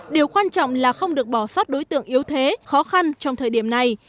điều quan trọng là không được bỏ sót đối tượng yếu thế khó khăn trong thời điểm này